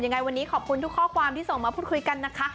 ยังไงวันนี้ขอบคุณทุกข้อความที่ส่งมาพูดคุยกันนะคะ